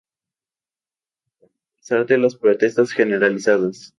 Roca, a pesar de las protestas generalizadas.